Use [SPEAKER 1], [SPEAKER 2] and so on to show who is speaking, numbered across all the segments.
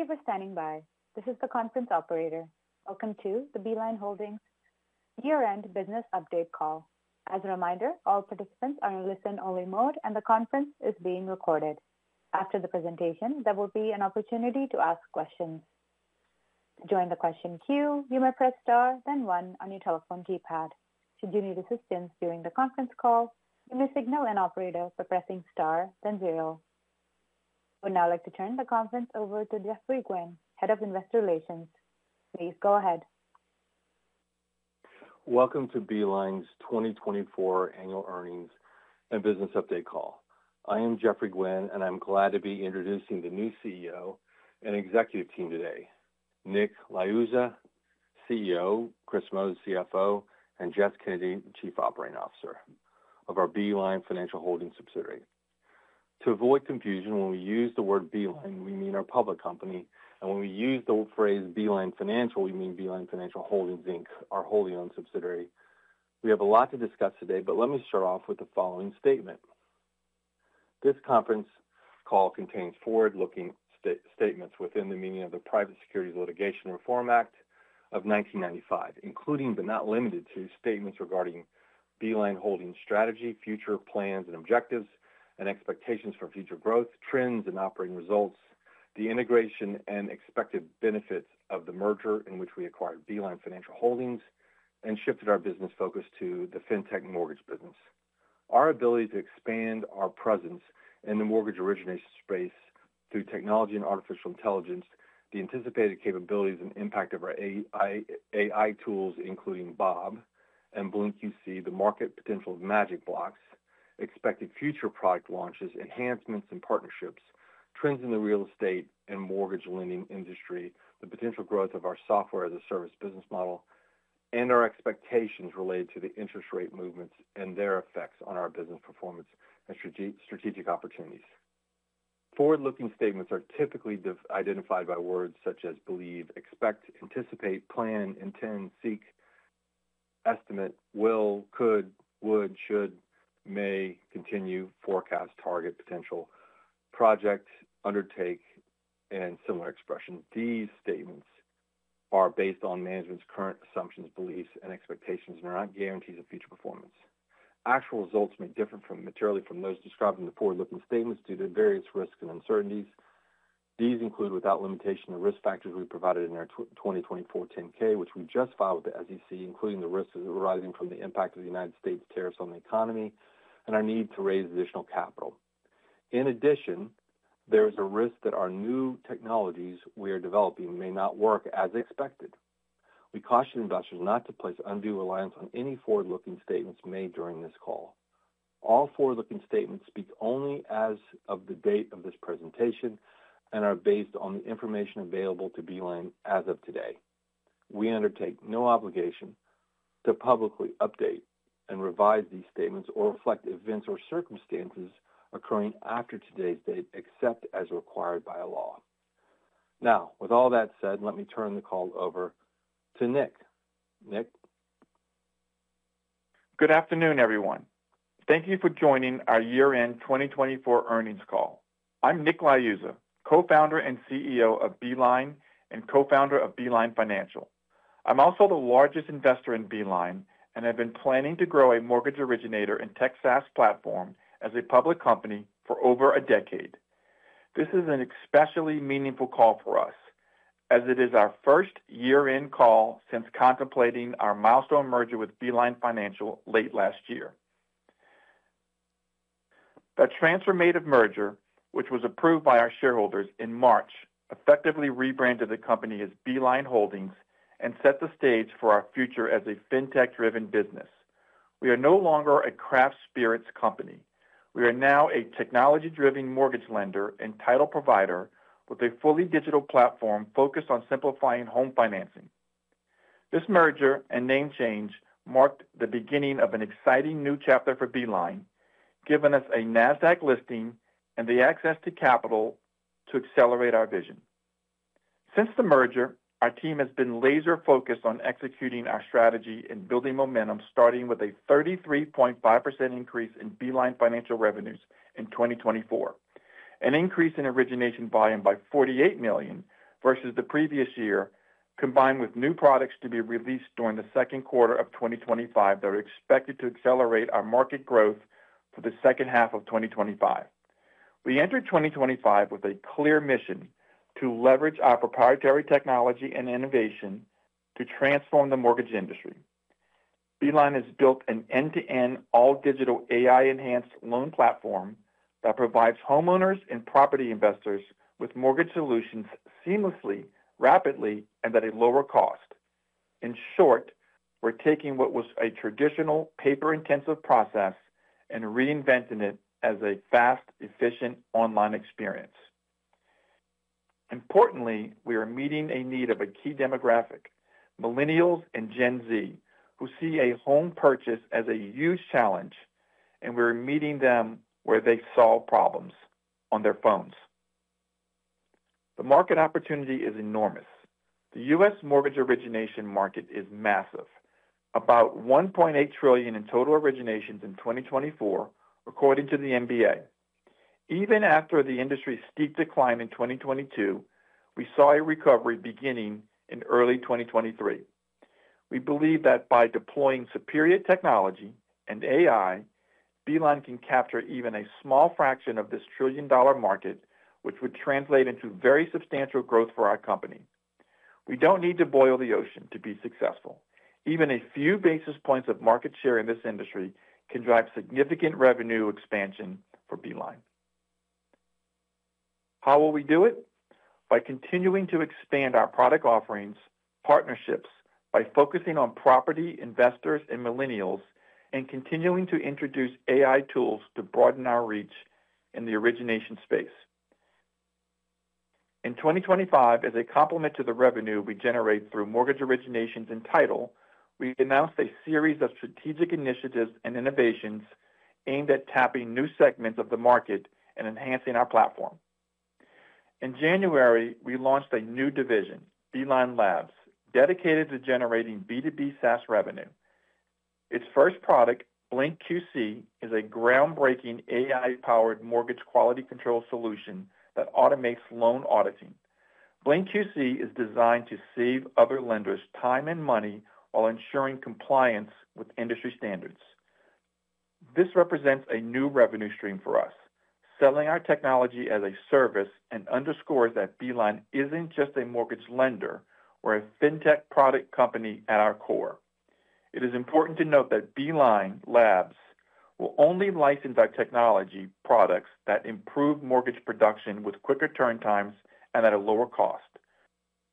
[SPEAKER 1] Thank you for standing by. This is the conference operator. Welcome to the Beeline Holdings year-end business update call. As a reminder, all participants are in listen-only mode, and the conference is being recorded. After the presentation, there will be an opportunity to ask questions. To join the question queue, you may press star, then one on your telephone keypad. Should you need assistance during the conference call, you may signal an operator by pressing star, then zero. I would now like to turn the conference over to Geoffrey Gwin, Head of Investor Relations. Please go ahead.
[SPEAKER 2] Welcome to Beeline's 2024 annual earnings and business update call. I am Geoffrey Gwin, and I'm glad to be introducing the new CEO and executive team today: Nick Liuzza, CEO; Chris Moe, CFO; and Jess Kennedy, Chief Operating Officer of our Beeline Financial Holdings subsidiary. To avoid confusion, when we use the word Beeline, we mean our public company, and when we use the phrase Beeline Financial, we mean Beeline Financial Holdings, our wholly-owned subsidiary. We have a lot to discuss today, but let me start off with the following statement. This conference call contains forward-looking statements within the meaning of the Private Securities Litigation Reform Act of 1995, including but not limited to statements regarding Beeline Holdings' strategy, future plans and objectives, and expectations for future growth, trends and operating results, the integration and expected benefits of the merger in which we acquired Beeline Financial Holdings and shifted our business focus to the fintech mortgage business. Our ability to expand our presence in the mortgage origination space through technology and artificial intelligence, the anticipated capabilities and impact of our AI tools, including Bob and BlinkQC, the market potential of MagicBlocks, expected future product launches, enhancements and partnerships, trends in the real estate and mortgage lending industry, the potential growth of our software as a service business model, and our expectations related to the interest rate movements and their effects on our business performance and strategic opportunities. Forward-looking statements are typically identified by words such as believe, expect, anticipate, plan, intend, seek, estimate, will, could, would, should, may, continue, forecast, target, potential, project, undertake, and similar expressions. These statements are based on management's current assumptions, beliefs, and expectations and are not guarantees of future performance. Actual results may differ materially from those described in the forward-looking statements due to various risks and uncertainties. These include, without limitation, the risk factors we provided in our 2024 10-K, which we just filed with the SEC, including the risks arising from the impact of the United States' tariffs on the economy and our need to raise additional capital. In addition, there is a risk that our new technologies we are developing may not work as expected. We caution investors not to place undue reliance on any forward-looking statements made during this call. All forward-looking statements speak only as of the date of this presentation and are based on the information available to Beeline Holdings as of today. We undertake no obligation to publicly update and revise these statements or reflect events or circumstances occurring after today's date except as required by law. Now, with all that said, let me turn the call over to Nick. Nick.
[SPEAKER 3] Good afternoon, everyone. Thank you for joining our year-end 2024 earnings call. I'm Nick Liuzza, co-founder and CEO of Beeline and co-founder of Beeline Financial. I'm also the largest investor in Beeline and have been planning to grow a mortgage originator and tech SaaS platform as a public company for over a decade. This is an especially meaningful call for us as it is our first year-end call since contemplating our milestone merger with Beeline Financial late last year. The transformative merger, which was approved by our shareholders in March, effectively rebranded the company as Beeline Holdings and set the stage for our future as a fintech-driven business. We are no longer a craft spirits company. We are now a technology-driven mortgage lender and title provider with a fully digital platform focused on simplifying home financing. This merger and name change marked the beginning of an exciting new chapter for Beeline, giving us a Nasdaq listing and the access to capital to accelerate our vision. Since the merger, our team has been laser-focused on executing our strategy and building momentum, starting with a 33.5% increase in Beeline Financial revenues in 2024, an increase in origination volume by $48 million versus the previous year, combined with new products to be released during the second quarter of 2025 that are expected to accelerate our market growth for the second half of 2025. We entered 2025 with a clear mission to leverage our proprietary technology and innovation to transform the mortgage industry. Beeline has built an end-to-end all-digital AI-enhanced loan platform that provides homeowners and property investors with mortgage solutions seamlessly, rapidly, and at a lower cost. In short, we're taking what was a traditional paper-intensive process and reinventing it as a fast, efficient online experience. Importantly, we are meeting a need of a key demographic, millennials and Gen Z, who see a home purchase as a huge challenge, and we're meeting them where they solve problems on their phones. The market opportunity is enormous. The U.S. mortgage origination market is massive, about $1.8 trillion in total originations in 2024, according to the MBA. Even after the industry's steep decline in 2022, we saw a recovery beginning in early 2023. We believe that by deploying superior technology and AI, Beeline can capture even a small fraction of this trillion-dollar market, which would translate into very substantial growth for our company. We don't need to boil the ocean to be successful. Even a few basis points of market share in this industry can drive significant revenue expansion for Beeline. How will we do it? By continuing to expand our product offerings, partnerships, by focusing on property investors and millennials, and continuing to introduce AI tools to broaden our reach in the origination space. In 2025, as a complement to the revenue we generate through mortgage originations and title, we announced a series of strategic initiatives and innovations aimed at tapping new segments of the market and enhancing our platform. In January, we launched a new division, Beeline Labs, dedicated to generating B2B SaaS revenue. Its first product, BlinkQC, is a groundbreaking AI-powered mortgage quality control solution that automates loan auditing. BlinkQC is designed to save other lenders time and money while ensuring compliance with industry standards. This represents a new revenue stream for us, selling our technology as a service, and underscores that Beeline is not just a mortgage lender or a fintech product company at our core. It is important to note that Beeline Labs will only license our technology products that improve mortgage production with quicker turn times and at a lower cost.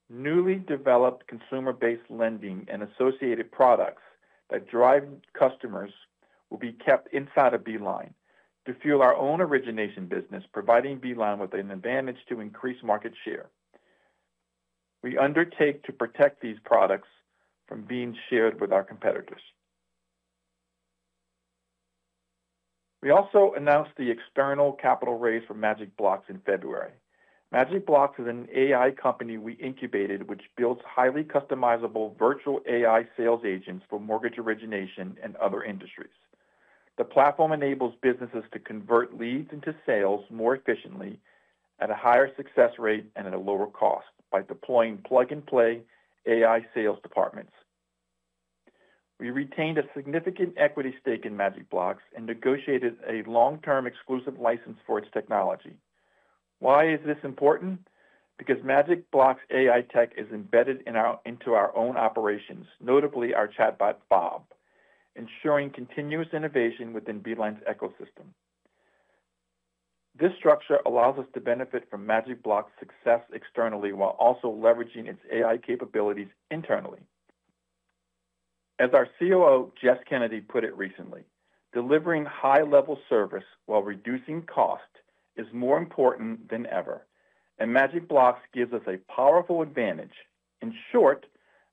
[SPEAKER 3] Newly developed consumer-based lending and associated products that drive customers will be kept inside of Beeline to fuel our own origination business, providing Beeline with an advantage to increase market share. We undertake to protect these products from being shared with our competitors. We also announced the external capital raise for MagicBlocks in February. MagicBlocks is an AI company we incubated, which builds highly customizable virtual AI sales agents for mortgage origination and other industries. The platform enables businesses to convert leads into sales more efficiently, at a higher success rate, and at a lower cost by deploying plug-and-play AI sales departments. We retained a significant equity stake in MagicBlocks and negotiated a long-term exclusive license for its technology. Why is this important? Because MagicBlocks' AI tech is embedded into our own operations, notably our chatbot, Bob, ensuring continuous innovation within Beeline's ecosystem. This structure allows us to benefit from MagicBlocks' success externally while also leveraging its AI capabilities internally. As our COO, Jess Kennedy, put it recently, "Delivering high-level service while reducing cost is more important than ever, and MagicBlocks gives us a powerful advantage." In short,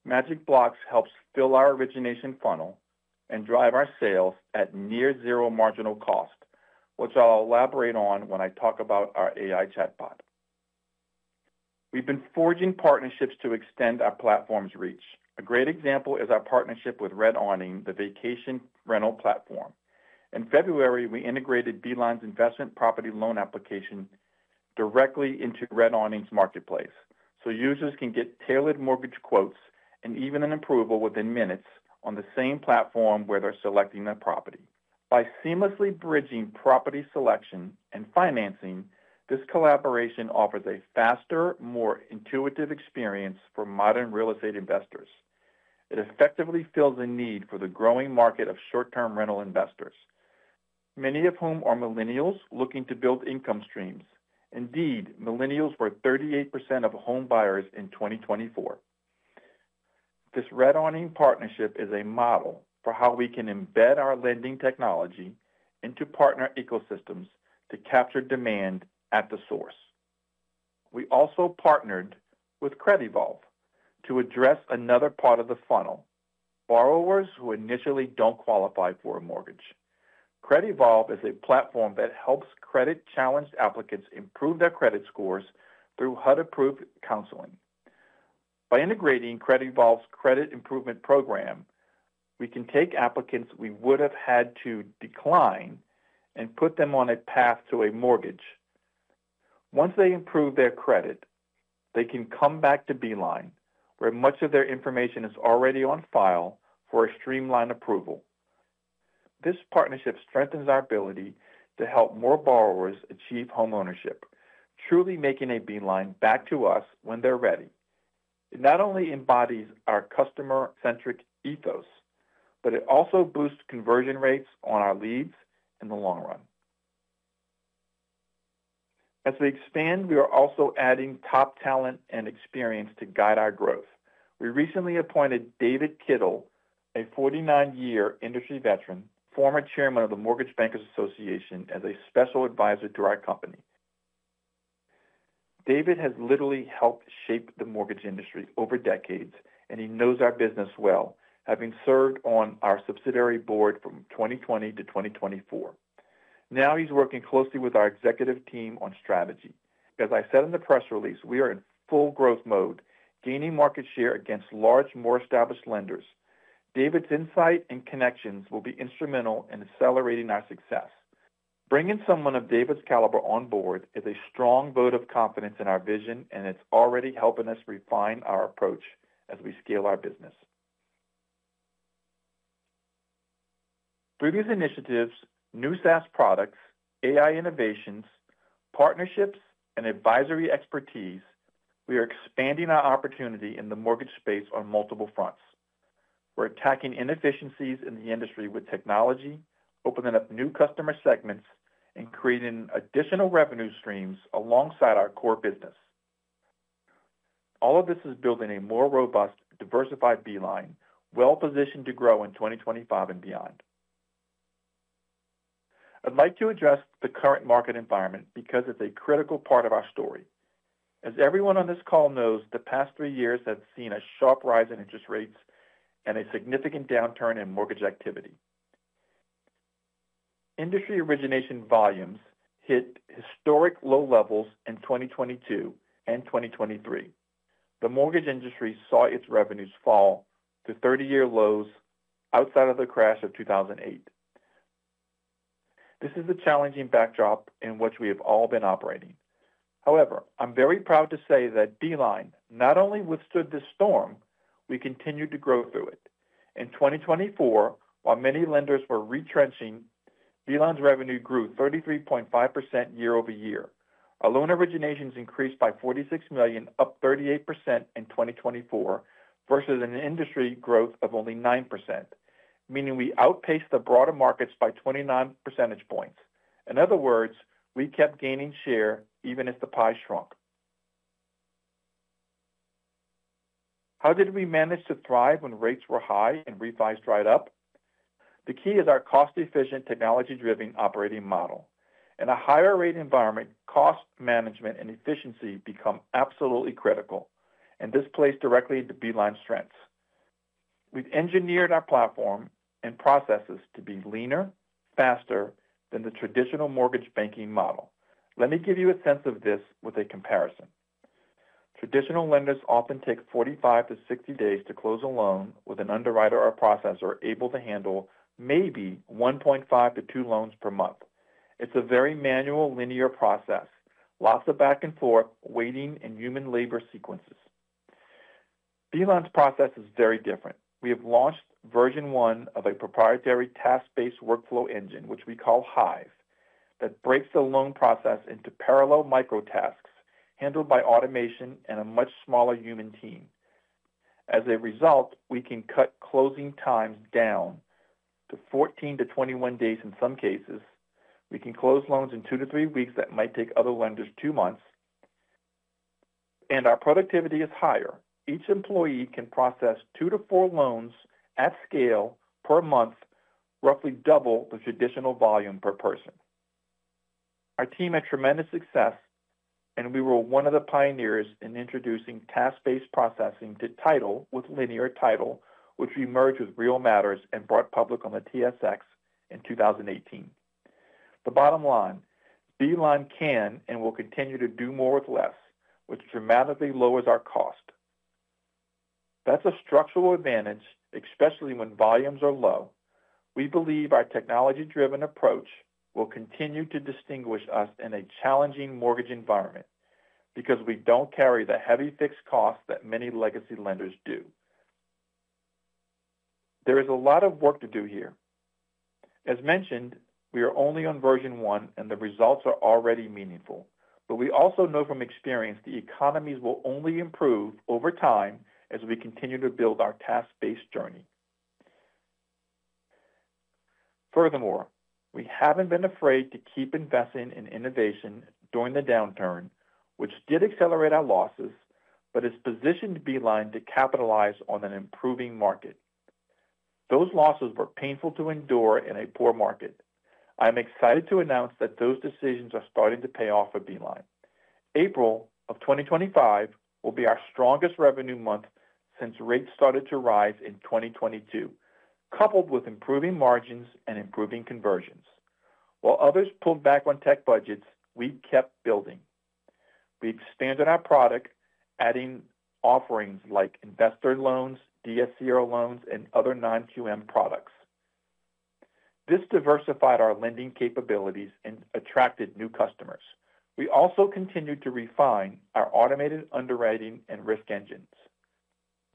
[SPEAKER 3] MagicBlocks helps fill our origination funnel and drive our sales at near-zero marginal cost, which I'll elaborate on when I talk about our AI chatbot. We've been forging partnerships to extend our platform's reach. A great example is our partnership with RedAwning, the vacation rental platform. In February, we integrated Beeline's investment property loan application directly into RedAwning's marketplace so users can get tailored mortgage quotes and even an approval within minutes on the same platform where they're selecting their property. By seamlessly bridging property selection and financing, this collaboration offers a faster, more intuitive experience for modern real estate investors. It effectively fills a need for the growing market of short-term rental investors, many of whom are millennials looking to build income streams. Indeed, millennials were 38% of home buyers in 2024. This RedAwning partnership is a model for how we can embed our lending technology into partner ecosystems to capture demand at the source. We also partnered with CredEvolv to address another part of the funnel: borrowers who initially do not qualify for a mortgage. CredEvolv is a platform that helps credit-challenged applicants improve their credit scores through HUD-approved counseling. By integrating CredEvolv's credit improvement program, we can take applicants we would have had to decline and put them on a path to a mortgage. Once they improve their credit, they can come back to Beeline, where much of their information is already on file for a streamlined approval. This partnership strengthens our ability to help more borrowers achieve homeownership, truly making a Beeline back to us when they are ready. It not only embodies our customer-centric ethos, but it also boosts conversion rates on our leads in the long run. As we expand, we are also adding top talent and experience to guide our growth. We recently appointed David Kittle, a 49-year industry veteran, former chairman of the Mortgage Bankers Association, as a Special Advisor to our company. David has literally helped shape the mortgage industry over decades, and he knows our business well, having served on our subsidiary board from 2020 to 2024. Now he's working closely with our executive team on strategy. As I said in the press release, we are in full growth mode, gaining market share against large, more established lenders. David's insight and connections will be instrumental in accelerating our success. Bringing someone of David's caliber on board is a strong vote of confidence in our vision, and it's already helping us refine our approach as we scale our business. Through these initiatives, new SaaS products, AI innovations, partnerships, and advisory expertise, we are expanding our opportunity in the mortgage space on multiple fronts. We're attacking inefficiencies in the industry with technology, opening up new customer segments, and creating additional revenue streams alongside our core business. All of this is building a more robust, diversified Beeline, well-positioned to grow in 2025 and beyond. I'd like to address the current market environment because it's a critical part of our story. As everyone on this call knows, the past three years have seen a sharp rise in interest rates and a significant downturn in mortgage activity. Industry origination volumes hit historic low levels in 2022 and 2023. The mortgage industry saw its revenues fall to 30-year lows outside of the crash of 2008. This is the challenging backdrop in which we have all been operating. However, I'm very proud to say that Beeline not only withstood this storm, we continued to grow through it. In 2024, while many lenders were retrenching, Beeline's revenue grew 33.5% year-over-year. Our loan originations increased by $46 million, up 38% in 2024, versus an industry growth of only 9%, meaning we outpaced the broader markets by 29 percentage points. In other words, we kept gaining share even as the pie shrunk. How did we manage to thrive when rates were high and refi's dried up? The key is our cost-efficient, technology-driven operating model. In a higher-rate environment, cost management and efficiency become absolutely critical, and this plays directly into Beeline's strengths. We've engineered our platform and processes to be leaner, faster than the traditional mortgage banking model. Let me give you a sense of this with a comparison. Traditional lenders often take 45-60 days to close a loan with an underwriter or processor able to handle maybe 1.5-2 loans per month. It's a very manual, linear process, lots of back and forth, waiting, and human labor sequences. Beeline's process is very different. We have launched version one of a proprietary task-based workflow engine, which we call Hive, that breaks the loan process into parallel microtasks handled by automation and a much smaller human team. As a result, we can cut closing times down to 14-21 days in some cases. We can close loans in 2-3 weeks that might take other lenders 2 months, and our productivity is higher. Each employee can process 2-4 loans at scale per month, roughly double the traditional volume per person. Our team had tremendous success, and we were one of the pioneers in introducing task-based processing to Title with Linear Title, which we merged with Real Matters and brought public on the TSX in 2018. The bottom line: Beeline can and will continue to do more with less, which dramatically lowers our cost. That is a structural advantage, especially when volumes are low. We believe our technology-driven approach will continue to distinguish us in a challenging mortgage environment because we do not carry the heavy fixed costs that many legacy lenders do. There is a lot of work to do here. As mentioned, we are only on version one, and the results are already meaningful. We also know from experience the economies will only improve over time as we continue to build our task-based journey. Furthermore, we have not been afraid to keep investing in innovation during the downturn, which did accelerate our losses, but is positioned Beeline to capitalize on an improving market. Those losses were painful to endure in a poor market. I'm excited to announce that those decisions are starting to pay off for Beeline. April of 2025 will be our strongest revenue month since rates started to rise in 2022, coupled with improving margins and improving conversions. While others pulled back on tech budgets, we kept building. We expanded our product, adding offerings like investor loans, DSCR loans, and other non-QM products. This diversified our lending capabilities and attracted new customers. We also continued to refine our automated underwriting and risk engines.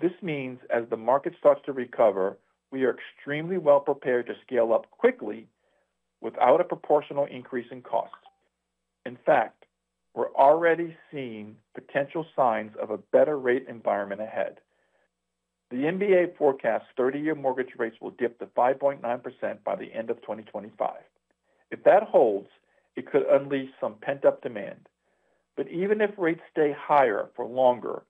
[SPEAKER 3] This means as the market starts to recover, we are extremely well prepared to scale up quickly without a proportional increase in cost. In fact, we're already seeing potential signs of a better rate environment ahead. The MBA forecasts 30-year mortgage rates will dip to 5.9% by the end of 2025. If that holds, it could unleash some pent-up demand. Even if rates stay higher for longer,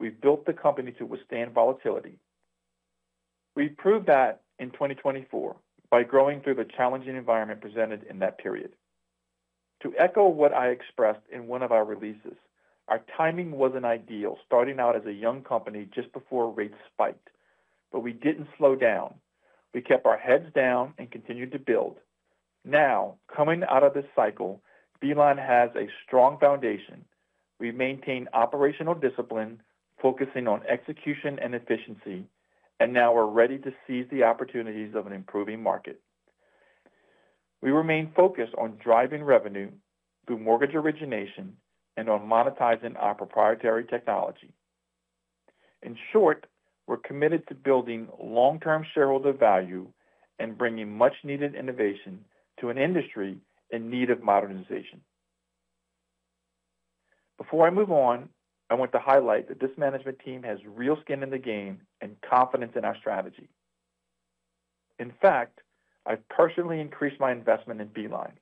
[SPEAKER 3] we've built the company to withstand volatility. We proved that in 2024 by growing through the challenging environment presented in that period. To echo what I expressed in one of our releases, our timing was not ideal, starting out as a young company just before rates spiked, but we did not slow down. We kept our heads down and continued to build. Now, coming out of this cycle, Beeline has a strong foundation. We maintain operational discipline, focusing on execution and efficiency, and now we are ready to seize the opportunities of an improving market. We remain focused on driving revenue through mortgage origination and on monetizing our proprietary technology. In short, we are committed to building long-term shareholder value and bringing much-needed innovation to an industry in need of modernization. Before I move on, I want to highlight that this management team has real skin in the game and confidence in our strategy. In fact, I've personally increased my investment in Beeline.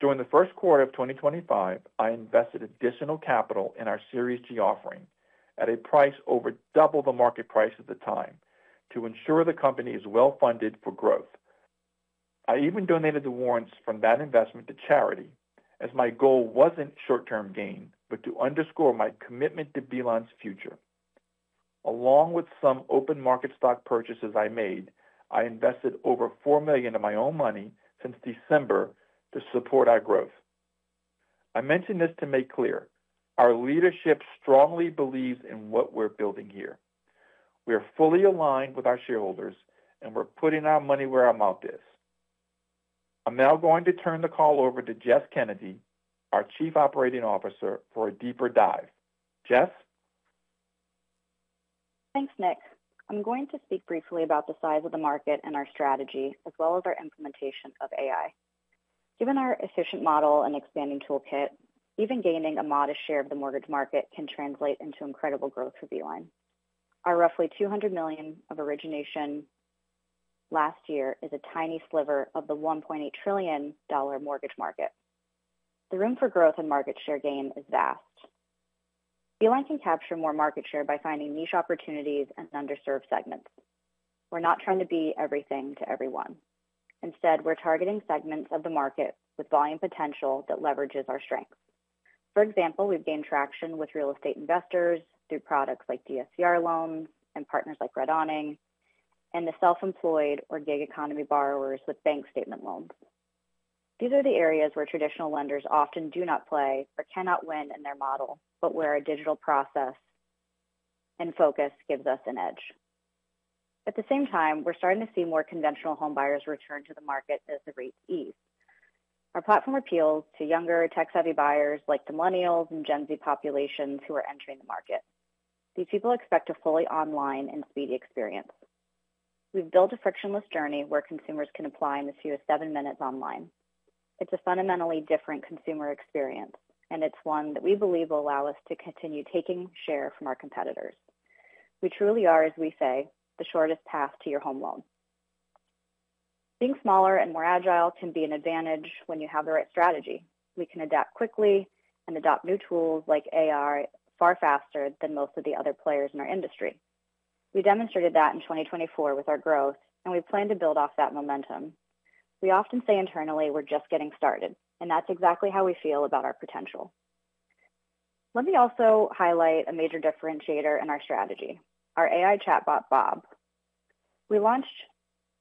[SPEAKER 3] During the first quarter of 2025, I invested additional capital in our Series G offering at a price over double the market price at the time to ensure the company is well-funded for growth. I even donated the warrants from that investment to charity, as my goal wasn't short-term gain but to underscore my commitment to Beeline's future. Along with some open market stock purchases I made, I invested over $4 million of my own money since December to support our growth. I mention this to make clear: our leadership strongly believes in what we're building here. We are fully aligned with our shareholders, and we're putting our money where our mouth is. I'm now going to turn the call over to Jess Kennedy, our Chief Operating Officer, for a deeper dive. Jess?
[SPEAKER 4] Thanks, Nick. I'm going to speak briefly about the size of the market and our strategy, as well as our implementation of AI. Given our efficient model and expanding toolkit, even gaining a modest share of the mortgage market can translate into incredible growth for Beeline. Our roughly $200 million of origination last year is a tiny sliver of the $1.8 trillion mortgage market. The room for growth and market share gain is vast. Beeline can capture more market share by finding niche opportunities and underserved segments. We're not trying to be everything to everyone. Instead, we're targeting segments of the market with volume potential that leverages our strengths. For example, we've gained traction with real estate investors through products like DSCR loans and partners like RedAwning, and the self-employed or gig economy borrowers with bank statement loans. These are the areas where traditional lenders often do not play or cannot win in their model, but where a digital process and focus gives us an edge. At the same time, we're starting to see more conventional home buyers return to the market as the rates ease. Our platform appeals to younger, tech-savvy buyers like the millennials and Gen Z populations who are entering the market. These people expect a fully online and speedy experience. We've built a frictionless journey where consumers can apply in as few as 7 minutes online. It's a fundamentally different consumer experience, and it's one that we believe will allow us to continue taking share from our competitors. We truly are, as we say, the shortest path to your home loan. Being smaller and more agile can be an advantage when you have the right strategy. We can adapt quickly and adopt new tools like AI far faster than most of the other players in our industry. We demonstrated that in 2024 with our growth, and we plan to build off that momentum. We often say internally, "We're just getting started," and that's exactly how we feel about our potential. Let me also highlight a major differentiator in our strategy: our AI chatbot, Bob. We launched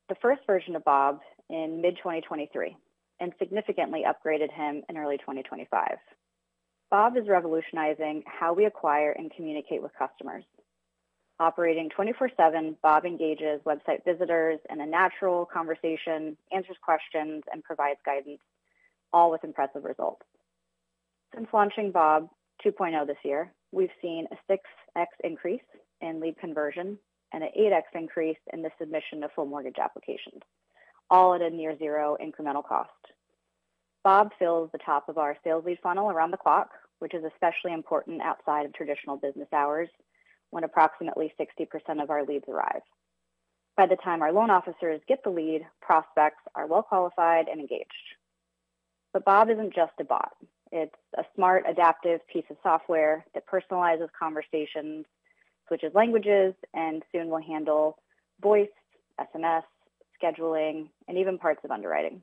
[SPEAKER 4] the first version of Bob in mid-2023 and significantly upgraded him in early 2025. Bob is revolutionizing how we acquire and communicate with customers. Operating 24/7, Bob engages website visitors in a natural conversation, answers questions, and provides guidance, all with impressive results. Since launching Bob 2.0 this year, we've seen a 6x increase in lead conversion and an 8x increase in the submission of full mortgage applications, all at a near-zero incremental cost. Bob fills the top of our sales lead funnel around the clock, which is especially important outside of traditional business hours when approximately 60% of our leads arrive. By the time our loan officers get the lead, prospects are well-qualified and engaged. Bob is not just a bot. It's a smart, adaptive piece of software that personalizes conversations, switches languages, and soon will handle voice, SMS, scheduling, and even parts of underwriting.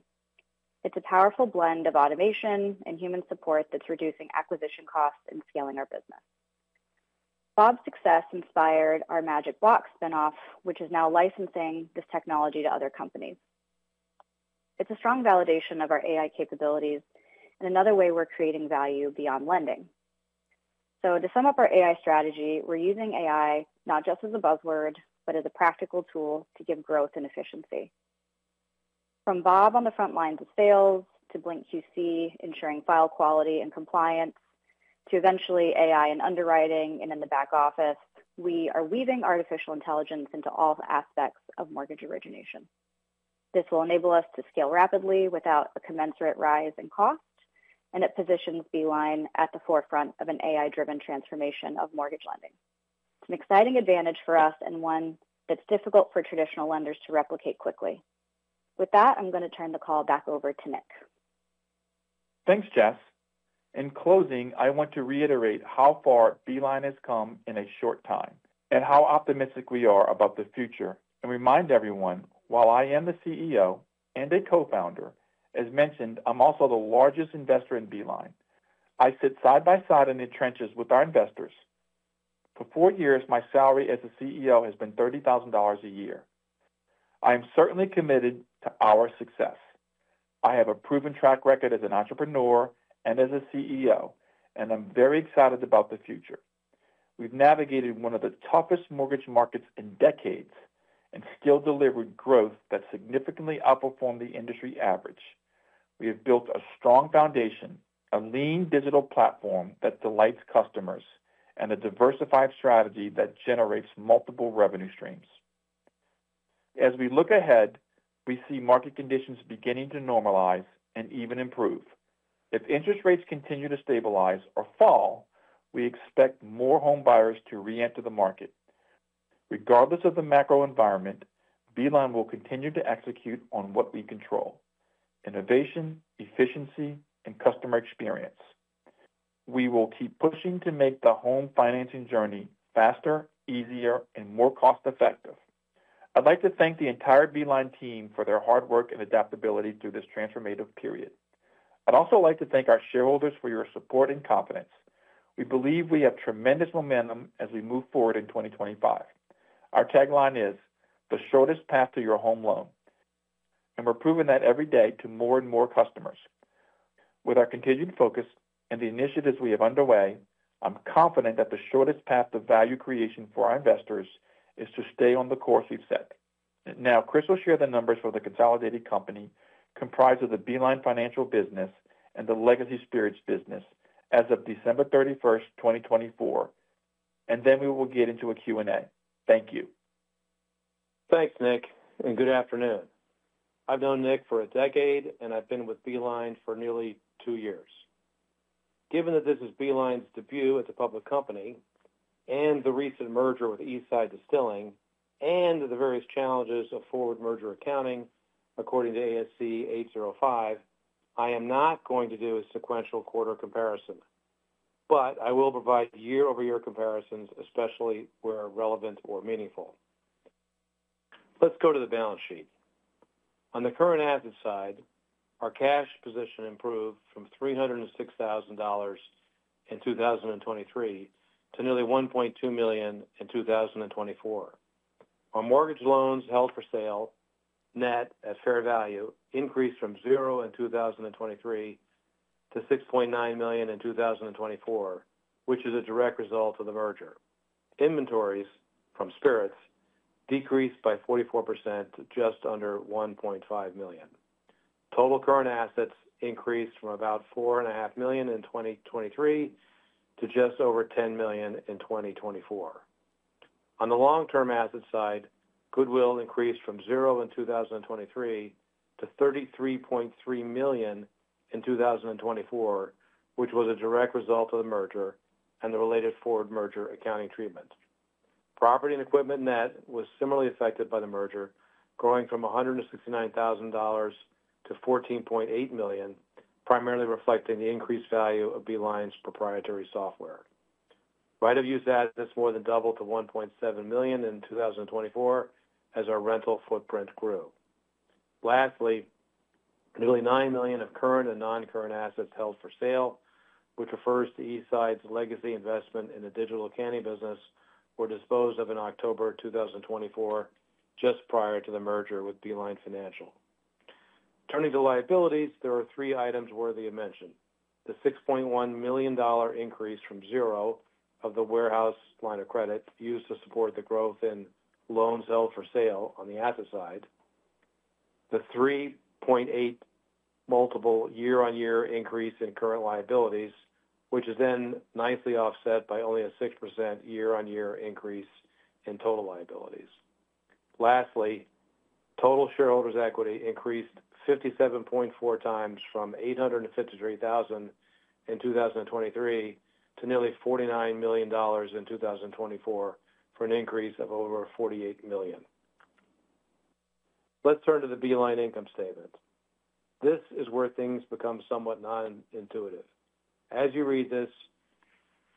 [SPEAKER 4] It's a powerful blend of automation and human support that's reducing acquisition costs and scaling our business. Bob's success inspired our MagicBlocks spinoff, which is now licensing this technology to other companies. It's a strong validation of our AI capabilities and another way we're creating value beyond lending. To sum up our AI strategy, we're using AI not just as a buzzword, but as a practical tool to give growth and efficiency. From Bob on the front lines of sales to BlinkQC ensuring file quality and compliance to eventually AI and underwriting and in the back office, we are weaving artificial intelligence into all aspects of mortgage origination. This will enable us to scale rapidly without a commensurate rise in cost, and it positions Beeline at the forefront of an AI-driven transformation of mortgage lending. It's an exciting advantage for us and one that's difficult for traditional lenders to replicate quickly. With that, I'm going to turn the call back over to Nick.
[SPEAKER 3] Thanks, Jess. In closing, I want to reiterate how far Beeline has come in a short time and how optimistic we are about the future. I want to remind everyone, while I am the CEO and a co-founder, as mentioned, I'm also the largest investor in Beeline. I sit side by side in the trenches with our investors. For four years, my salary as CEO has been $30,000 a year. I am certainly committed to our success. I have a proven track record as an entrepreneur and as a CEO, and I'm very excited about the future. We've navigated one of the toughest mortgage markets in decades and still delivered growth that significantly outperformed the industry average. We have built a strong foundation, a lean digital platform that delights customers, and a diversified strategy that generates multiple revenue streams. As we look ahead, we see market conditions beginning to normalize and even improve. If interest rates continue to stabilize or fall, we expect more home buyers to re-enter the market. Regardless of the macro environment, Beeline will continue to execute on what we control: innovation, efficiency, and customer experience. We will keep pushing to make the home financing journey faster, easier, and more cost-effective. I'd like to thank the entire Beeline team for their hard work and adaptability through this transformative period. I'd also like to thank our shareholders for your support and confidence. We believe we have tremendous momentum as we move forward in 2025. Our tagline is, "The shortest path to your home loan," and we're proving that every day to more and more customers. With our continued focus and the initiatives we have underway, I'm confident that the shortest path to value creation for our investors is to stay on the course we've set. Now, Chris will share the numbers for the consolidated company comprised of the Beeline Financial business and the Legacy Spirits business as of December 31, 2024, and then we will get into a Q&A. Thank you.
[SPEAKER 5] Thanks, Nick, and good afternoon. I've known Nick for a decade, and I've been with Beeline for nearly two years. Given that this is Beeline's debut at the public company and the recent merger with Eastside Distilling and the various challenges of forward merger accounting, according to ASC 805, I am not going to do a sequential quarter comparison, but I will provide year-over-year comparisons, especially where relevant or meaningful. Let's go to the balance sheet. On the current asset side, our cash position improved from $306,000 in 2023 to nearly $1.2 million in 2024. Our mortgage loans held for sale, net at fair value, increased from $0 in 2023 to $6.9 million in 2024, which is a direct result of the merger. Inventories from Spirits decreased by 44% to just under $1.5 million. Total current assets increased from about $4.5 million in 2023 to just over $10 million in 2024. On the long-term asset side, Goodwill increased from $0 in 2023 to $33.3 million in 2024, which was a direct result of the merger and the related forward merger accounting treatment. Property and equipment net was similarly affected by the merger, growing from $169,000 to $14.8 million, primarily reflecting the increased value of Beeline's proprietary software. Right-of-use assets more than doubled to $1.7 million in 2024 as our rental footprint grew. Lastly, nearly $9 million of current and non-current assets held for sale, which refers to Eastside's legacy investment in the digital accounting business, were disposed of in October 2024, just prior to the merger with Beeline Financial. Turning to liabilities, there are three items worthy of mention: the $6.1 million increase from $0 of the warehouse line of credit used to support the growth in loans held for sale on the asset side, the $3.8 million year-on-year increase in current liabilities, which is then nicely offset by only a 6% year-on-year increase in total liabilities. Lastly, total shareholders' equity increased 57.4x from $853,000 in 2023 to nearly $49 million in 2024 for an increase of over $48 million. Let's turn to the Beeline income statement. This is where things become somewhat non-intuitive. As you read this,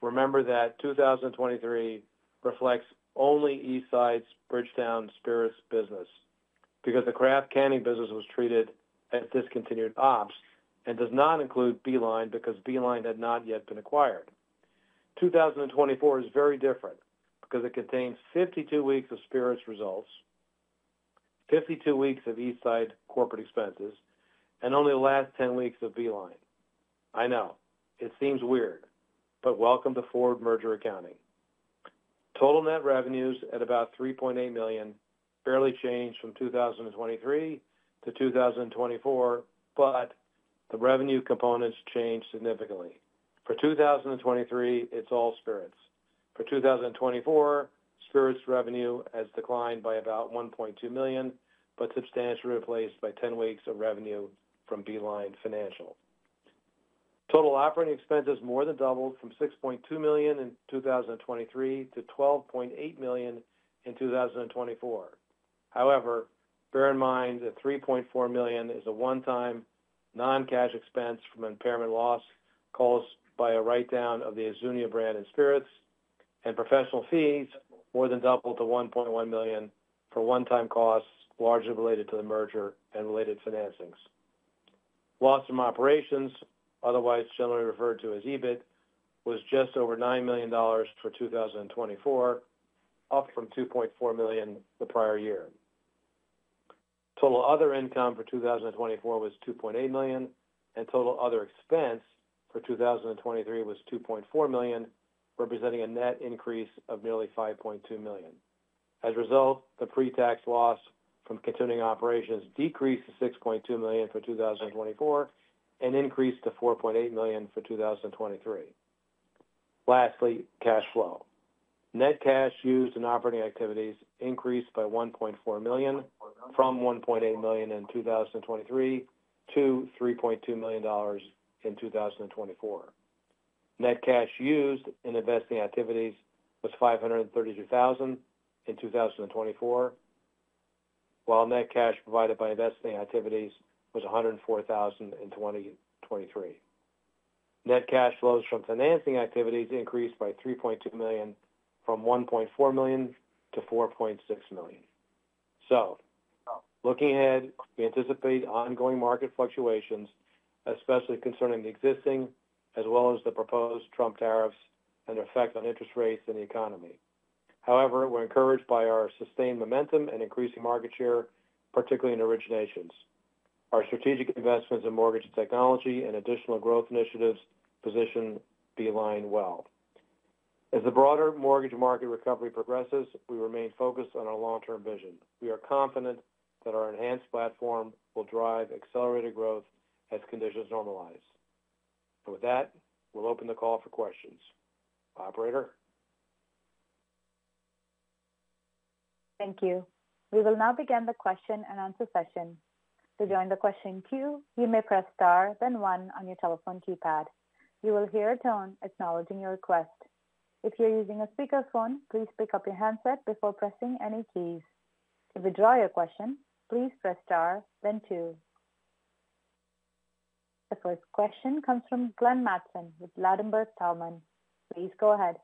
[SPEAKER 5] remember that 2023 reflects only Eastside's Bridgetown Spirits business because the craft accounting business was treated as discontinued ops and does not include Beeline because Beeline had not yet been acquired. 2024 is very different because it contains 52 weeks of Spirits results, 52 weeks of Eastside corporate expenses, and only the last 10 weeks of Beeline. I know, it seems weird, but welcome to forward merger accounting. Total net revenues at about $3.8 million barely changed from 2023 to 2024, but the revenue components changed significantly. For 2023, it's all Spirits. For 2024, Spirits revenue has declined by about $1.2 million but substantially replaced by 10 weeks of revenue from Beeline Financial. Total operating expenses more than doubled from $6.2 million in 2023 to $12.8 million in 2024. However, bear in mind that $3.4 million is a one-time non-cash expense from impairment loss caused by a write-down of the Azunia brand and Spirits, and professional fees more than doubled to $1.1 million for one-time costs largely related to the merger and related financings. Loss from operations, otherwise generally referred to as EBIT, was just over $9 million for 2024, up from $2.4 million the prior year. Total other income for 2024 was $2.8 million, and total other expense for 2023 was $2.4 million, representing a net increase of nearly $5.2 million. As a result, the pre-tax loss from continuing operations decreased to $6.2 million for 2024 and increased to $4.8 million for 2023. Lastly, cash flow. Net cash used in operating activities increased by $1.4 million from $1.8 million in 2023 to $3.2 million in 2024. Net cash used in investing activities was $532,000 in 2024, while net cash provided by investing activities was $104,000 in 2023. Net cash flows from financing activities increased by $3.2 million from $1.4 million to $4.6 million. Looking ahead, we anticipate ongoing market fluctuations, especially concerning the existing as well as the proposed Trump tariffs and their effect on interest rates and the economy. However, we're encouraged by our sustained momentum and increasing market share, particularly in originations. Our strategic investments in mortgage technology and additional growth initiatives position Beeline well. As the broader mortgage market recovery progresses, we remain focused on our long-term vision. We are confident that our enhanced platform will drive accelerated growth as conditions normalize. With that, we'll open the call for questions. Operator?
[SPEAKER 1] Thank you. We will now begin the question and answer session. To join the question queue, you may press star, then one on your telephone keypad. You will hear a tone acknowledging your request. If you're using a speakerphone, please pick up your handset before pressing any keys. To withdraw your question, please press star, then two. The first question comes from Glenn Mattson with Ladenburg Thalmann. Please go ahead.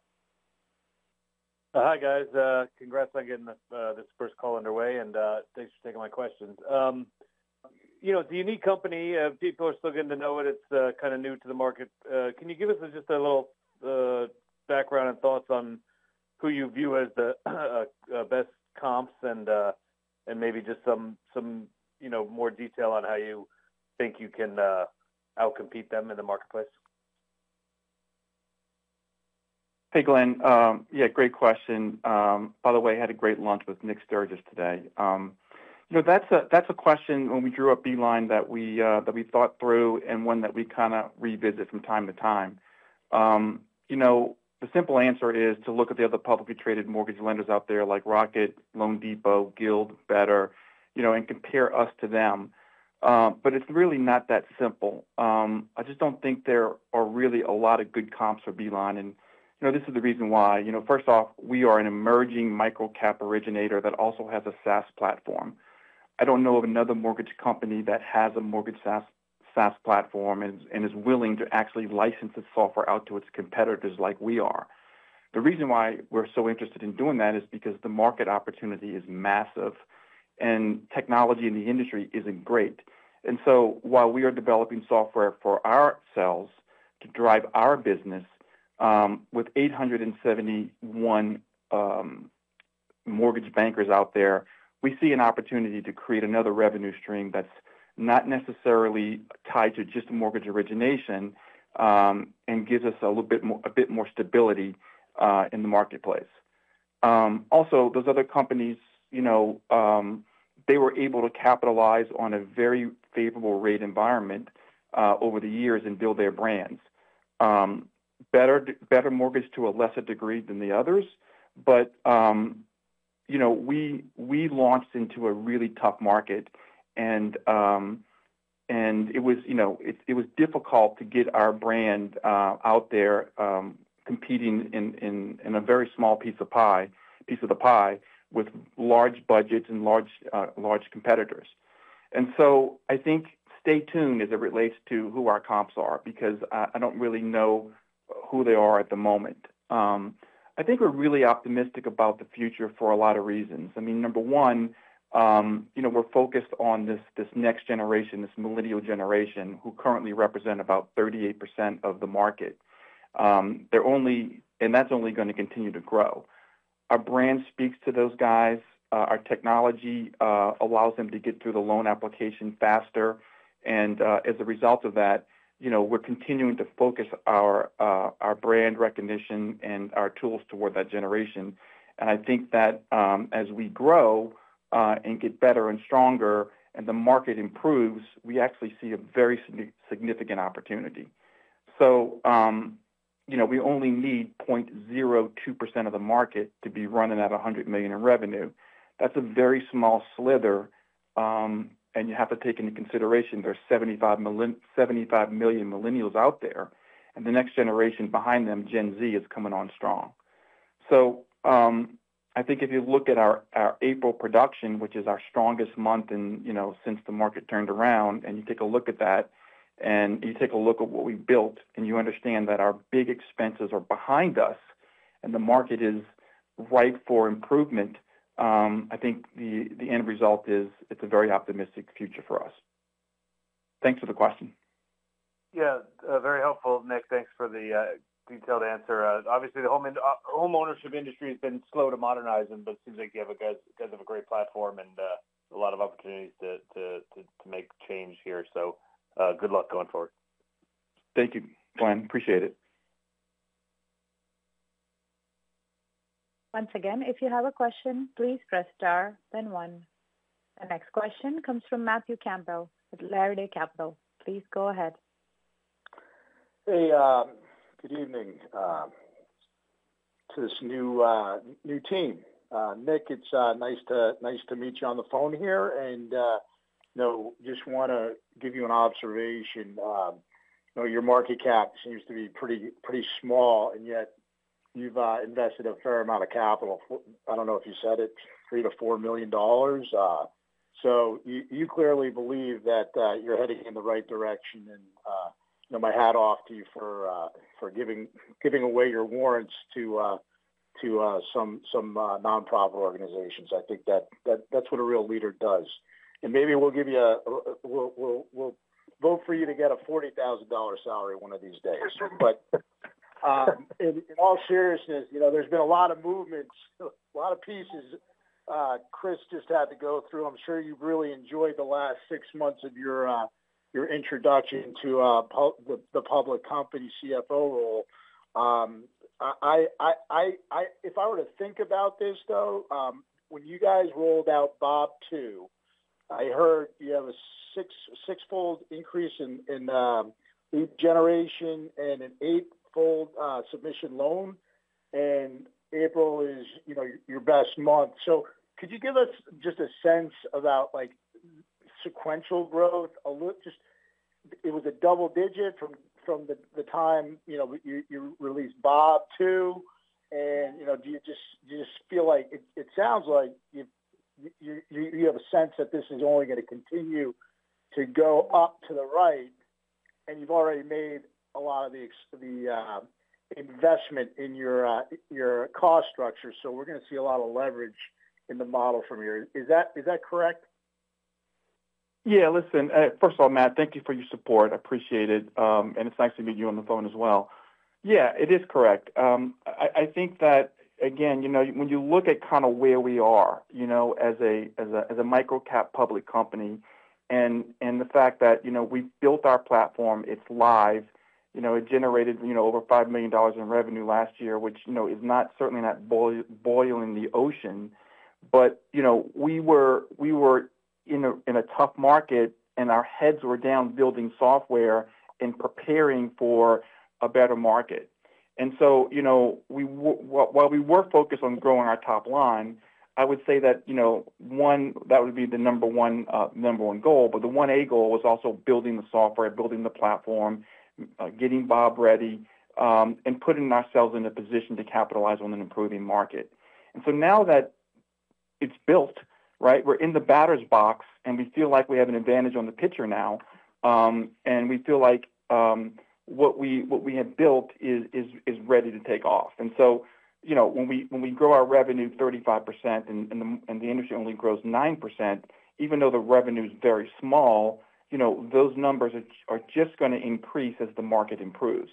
[SPEAKER 6] Hi, guys. Congrats on getting this first call underway, and thanks for taking my questions. You know, it's a unique company. People are still getting to know it. It's kind of new to the market. Can you give us just a little background and thoughts on who you view as the best comps and maybe just some more detail on how you think you can outcompete them in the marketplace?
[SPEAKER 3] Hey, Glen. Yeah, great question. By the way, I had a great lunch with Nick [Sturges] today. You know, that's a question when we drew up Beeline that we thought through and one that we kind of revisit from time to time. You know, the simple answer is to look at the other publicly traded mortgage lenders out there like Rocket, LoanDepot, Guild, Better, you know, and compare us to them. It is really not that simple. I just do not think there are really a lot of good comps for Beeline. You know, this is the reason why. First off, we are an emerging microcap originator that also has a SaaS platform. I do not know of another mortgage company that has a mortgage SaaS platform and is willing to actually license its software out to its competitors like we are. The reason why we are so interested in doing that is because the market opportunity is massive, and technology in the industry is not great. While we are developing software for ourselves to drive our business, with 871 mortgage bankers out there, we see an opportunity to create another revenue stream that's not necessarily tied to just mortgage origination and gives us a little bit more stability in the marketplace. Also, those other companies, you know, they were able to capitalize on a very favorable rate environment over the years and build their brands. Better Mortgage to a lesser degree than the others, but, you know, we launched into a really tough market, and it was, you know, it was difficult to get our brand out there competing in a very small piece of the pie with large budgets and large competitors. I think stay tuned as it relates to who our comps are because I don't really know who they are at the moment. I think we're really optimistic about the future for a lot of reasons. I mean, number one, you know, we're focused on this next generation, this millennial generation, who currently represent about 38% of the market. They're only, and that's only going to continue to grow. Our brand speaks to those guys. Our technology allows them to get through the loan application faster. As a result of that, you know, we're continuing to focus our brand recognition and our tools toward that generation. I think that as we grow and get better and stronger and the market improves, we actually see a very significant opportunity. You know, we only need 0.02% of the market to be running at $100 million in revenue. That's a very small slither, and you have to take into consideration there's 75 million millennials out there, and the next generation behind them, Gen Z, is coming on strong. I think if you look at our April production, which is our strongest month in, you know, since the market turned around, and you take a look at that, and you take a look at what we built, and you understand that our big expenses are behind us and the market is ripe for improvement, I think the end result is it's a very optimistic future for us. Thanks for the question.
[SPEAKER 6] Yeah, very helpful, Nick. Thanks for the detailed answer. Obviously, the homeownership industry has been slow to modernize, but it seems like you guys have a great platform and a lot of opportunities to make change here. Good luck going forward.
[SPEAKER 3] Thank you, Glen. Appreciate it.
[SPEAKER 1] Once again, if you have a question, please press star, then one. The next question comes from Matthew Campbell with Laridae Capital. Please go ahead.
[SPEAKER 7] Hey, good evening to this new team. Nick, it's nice to meet you on the phone here. And, you know, just want to give you an observation. You know, your market cap seems to be pretty small, and yet you've invested a fair amount of capital. I don't know if you said it, $3 million-$4 million. So, you clearly believe that you're heading in the right direction, and, you know, my hat off to you for giving away your warrants to some nonprofit organizations. I think that's what a real leader does. And maybe we'll give you a, we'll vote for you to get a $40,000 salary one of these days. But in all seriousness, you know, there's been a lot of movement, a lot of pieces Chris just had to go through. I'm sure you've really enjoyed the last six months of your introduction to the public company CFO role. If I were to think about this, though, when you guys rolled out Bob 2, I heard you have a sixfold increase in lead generation and an eightfold submission loan, and April is, you know, your best month. Could you give us just a sense about, like, sequential growth? Just, it was a double digit from the time, you know, you released Bob 2, and, you know, do you just feel like it sounds like you have a sense that this is only going to continue to go up to the right, and you've already made a lot of the investment in your cost structure. We're going to see a lot of leverage in the model from here. Is that correct?
[SPEAKER 3] Yeah, listen, first of all, Matt, thank you for your support. I appreciate it, and it's nice to meet you on the phone as well. Yeah, it is correct. I think that, again, you know, when you look at kind of where we are, you know, as a microcap public company, and the fact that, you know, we built our platform, it's live, you know, it generated, you know, over $5 million in revenue last year, which, you know, is not certainly not boiling the ocean, but, you know, we were in a tough market, and our heads were down building software and preparing for a better market. You know, while we were focused on growing our top line, I would say that, you know, one, that would be the number one goal, but the 1A goal was also building the software, building the platform, getting Bob ready, and putting ourselves in a position to capitalize on an improving market. Now that it's built, right, we're in the batter's box, and we feel like we have an advantage on the pitcher now, and we feel like what we have built is ready to take off. You know, when we grow our revenue 35% and the industry only grows 9%, even though the revenue is very small, you know, those numbers are just going to increase as the market improves.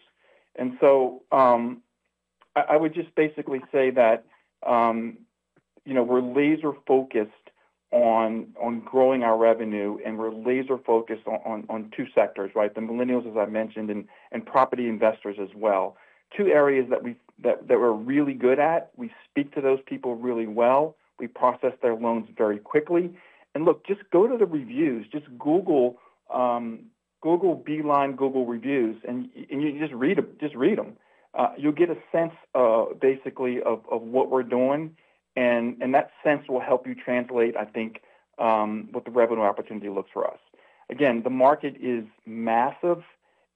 [SPEAKER 3] I would just basically say that, you know, we're laser-focused on growing our revenue, and we're laser-focused on two sectors, right, the millennials, as I mentioned, and property investors as well. Two areas that we're really good at, we speak to those people really well, we process their loans very quickly. Look, just go to the reviews, just Google Beeline, Google reviews, and you just read them. You'll get a sense, basically, of what we're doing, and that sense will help you translate, I think, what the revenue opportunity looks for us. Again, the market is massive,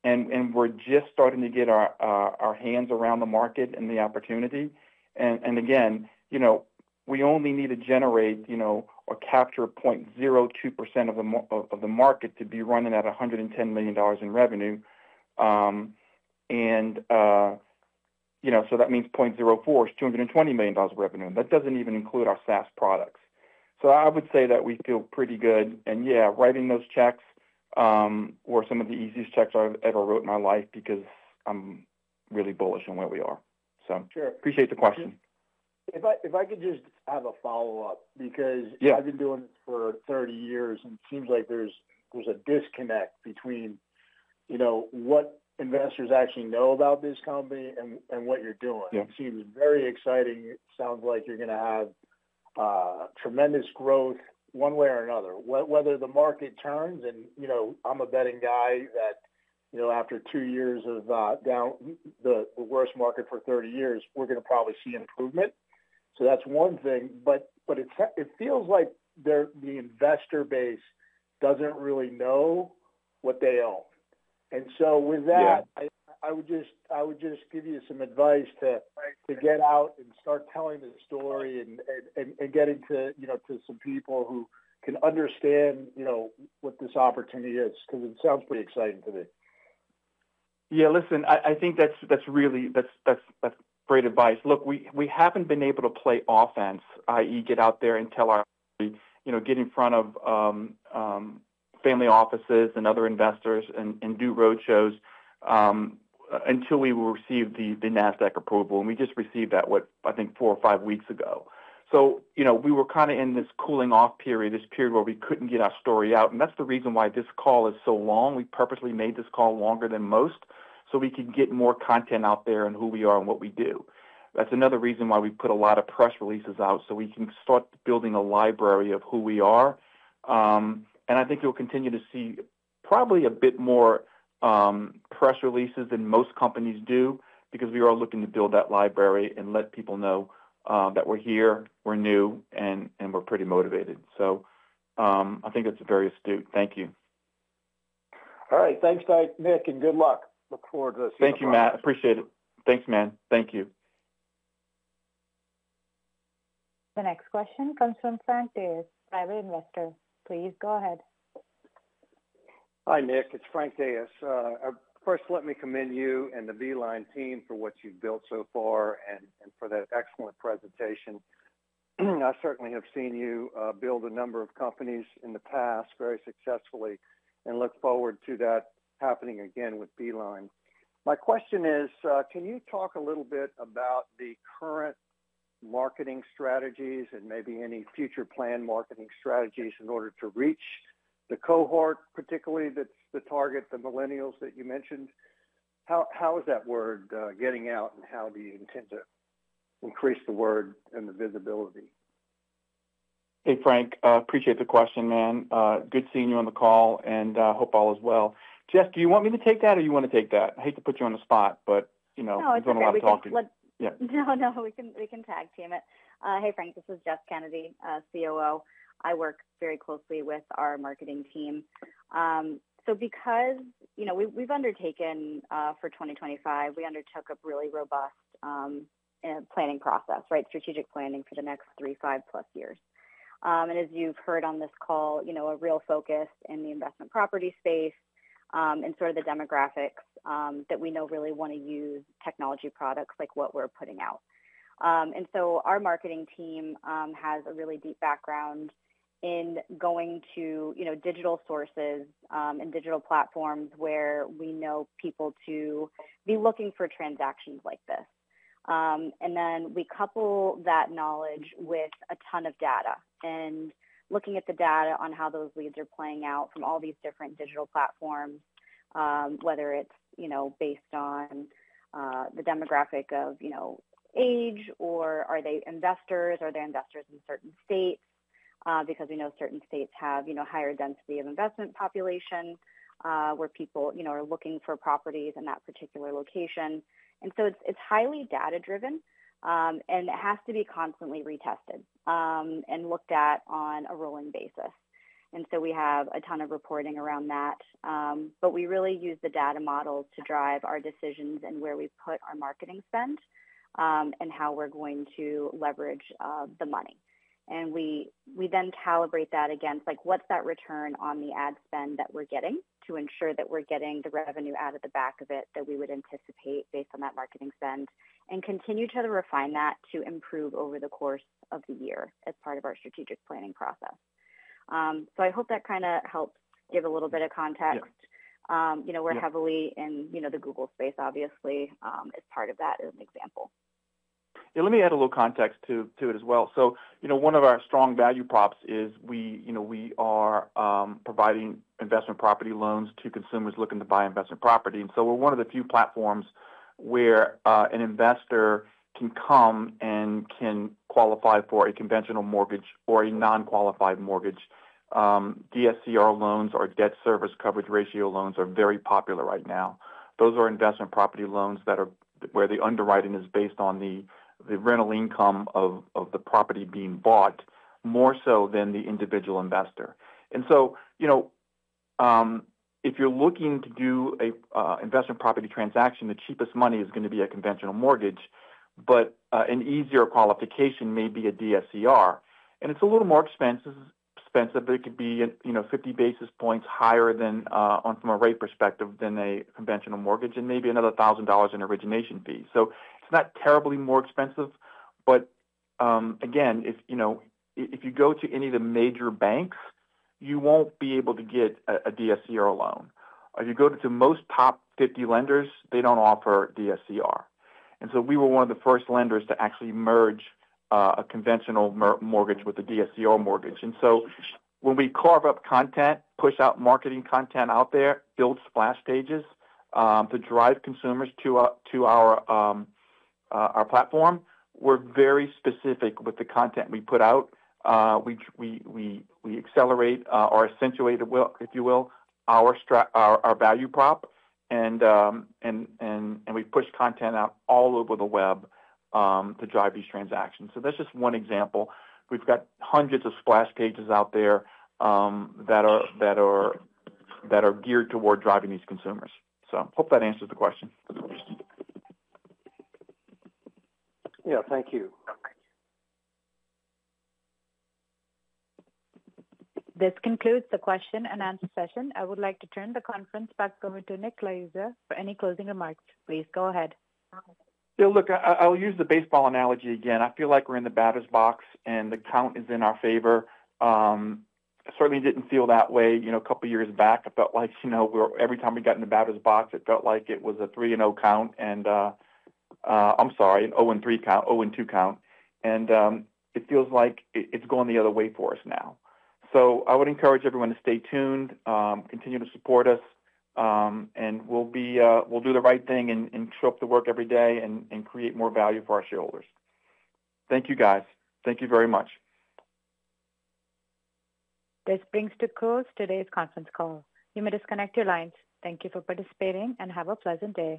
[SPEAKER 3] and we're just starting to get our hands around the market and the opportunity. Again, you know, we only need to generate, you know, or capture 0.02% of the market to be running at $110 million in revenue. You know, that means 0.04 is $220 million revenue, and that does not even include our SaaS products. I would say that we feel pretty good, and yeah, writing those checks were some of the easiest checks I have ever wrote in my life because I am really bullish on where we are. I appreciate the question. If I could just have a follow-up because I have been doing this for 30 years, and it seems like there is a disconnect between what investors actually know about this company and what you are doing. It seems very exciting. It sounds like you are going to have tremendous growth one way or another, whether the market turns. You know, I am a betting guy that after two years of down, the worst market for 30 years, we are going to probably see improvement. That's one thing, but it feels like the investor base doesn't really know what they own. With that, I would just give you some advice to get out and start telling the story and get into, you know, to some people who can understand, you know, what this opportunity is because it sounds pretty exciting to me. Yeah, listen, I think that's really, that's great advice. Look, we haven't been able to play offense, i.e., get out there and tell our, you know, get in front of family offices and other investors and do roadshows until we received the NASDAQ approval, and we just received that, what, I think, four or five weeks ago. You know, we were kind of in this cooling-off period, this period where we couldn't get our story out, and that's the reason why this call is so long.
[SPEAKER 8] We purposely made this call longer than most so we can get more content out there on who we are and what we do. That is another reason why we put a lot of press releases out so we can start building a library of who we are. I think you will continue to see probably a bit more press releases than most companies do because we are looking to build that library and let people know that we are here, we are new, and we are pretty motivated. I think that is very astute. Thank you.
[SPEAKER 7] All right, thanks, Nick, and good luck. Look forward to seeing you.
[SPEAKER 3] Thank you, Matt. Appreciate it.
[SPEAKER 7] Thanks, man. Thank you.
[SPEAKER 1] The next question comes from Frank Deas, private investor. Please go ahead.
[SPEAKER 9] Hi, Nick, it is Frank Deas. First, let me commend you and the Beeline team for what you've built so far and for that excellent presentation. I certainly have seen you build a number of companies in the past very successfully and look forward to that happening again with Beeline. My question is, can you talk a little bit about the current marketing strategies and maybe any future planned marketing strategies in order to reach the cohort, particularly that's the target, the millennials that you mentioned? How is that word getting out, and how do you intend to increase the word and the visibility? Hey, Frank, appreciate the question, man. Good seeing you on the call, and I hope all is well. Jess, do you want me to take that, or do you want to take that? I hate to put you on the spot, but, you know, we've done a lot talking.
[SPEAKER 4] No, no, we can tag team it. Hey, Frank, this is Jess Kennedy, COO. I work very closely with our marketing team. Because, you know, we've undertaken for 2025, we undertook a really robust planning process, right, strategic planning for the next three, five plus years. As you've heard on this call, you know, a real focus in the investment property space and sort of the demographics that we know really want to use technology products like what we're putting out. Our marketing team has a really deep background in going to, you know, digital sources and digital platforms where we know people to be looking for transactions like this. We couple that knowledge with a ton of data and looking at the data on how those leads are playing out from all these different digital platforms, whether it's, you know, based on the demographic of, you know, age or are they investors or are they investors in certain states because we know certain states have, you know, higher density of investment population where people, you know, are looking for properties in that particular location. It is highly data-driven, and it has to be constantly retested and looked at on a rolling basis. We have a ton of reporting around that, but we really use the data models to drive our decisions and where we put our marketing spend and how we're going to leverage the money. We then calibrate that against, like, what's that return on the ad spend that we're getting to ensure that we're getting the revenue out of the back of it that we would anticipate based on that marketing spend and continue to refine that to improve over the course of the year as part of our strategic planning process. I hope that kind of helps give a little bit of context. You know, we're heavily in, you know, the Google space, obviously, as part of that as an example.
[SPEAKER 3] Yeah, let me add a little context to it as well. You know, one of our strong value props is we, you know, we are providing investment property loans to consumers looking to buy investment property. We're one of the few platforms where an investor can come and can qualify for a conventional mortgage or a non-qualified mortgage. DSCR loans or debt service coverage ratio loans are very popular right now. Those are investment property loans where the underwriting is based on the rental income of the property being bought more so than the individual investor. You know, if you're looking to do an investment property transaction, the cheapest money is going to be a conventional mortgage, but an easier qualification may be a DSCR, and it's a little more expensive. It could be, you know, 50 basis points higher from a rate perspective than a conventional mortgage and maybe another $1,000 in origination fee. It's not terribly more expensive, but again, if you know, if you go to any of the major banks, you won't be able to get a DSCR loan. If you go to most top 50 lenders, they don't offer DSCR. We were one of the first lenders to actually merge a conventional mortgage with a DSCR mortgage. When we carve up content, push out marketing content out there, build splash pages to drive consumers to our platform, we're very specific with the content we put out. We accelerate or accentuate it well, if you will, our value prop, and we push content out all over the web to drive these transactions. That's just one example. We've got hundreds of splash pages out there that are geared toward driving these consumers. Hope that answers the question.
[SPEAKER 10] Yeah, thank you.
[SPEAKER 1] This concludes the question-and-answer session. I would like to turn the conference back over to Nick Liuzza for any closing remarks. Please go ahead.
[SPEAKER 3] Yeah, look, I'll use the baseball analogy again. I feel like we're in the batter's box, and the count is in our favor. Certainly, it didn't feel that way, you know, a couple of years back. I felt like, you know, every time we got in the batter's box, it felt like it was a three and zero count, and I'm sorry, a zero and zero count, zero and zero count. It feels like it's going the other way for us now. I would encourage everyone to stay tuned, continue to support us, and we'll do the right thing and show up to work every day and create more value for our shareholders. Thank you, guys. Thank you very much.
[SPEAKER 1] This brings to a close today's conference call. You may disconnect your lines. Thank you for participating and have a pleasant day.